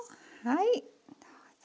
はい。